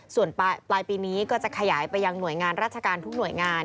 ส่วนปลายปีนี้ก็จะขยายไปยังหน่วยงานราชการทุกหน่วยงาน